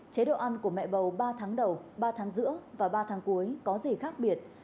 chế độ ăn của mẹ bầu ba tháng đầu ba tháng giữa và ba tháng cuối có gì khác biệt